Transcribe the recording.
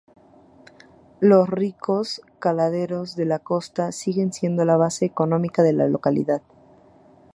Los ricos caladeros de la costa siguen siendo la base económica de la localidad.